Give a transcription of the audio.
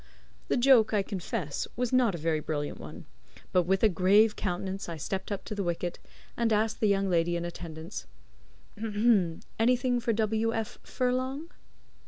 The joke I confess was not a very brilliant one; but with a grave countenance I stepped up to the wicket and asked the young lady in attendance: "Anything for W. F. Furlong?"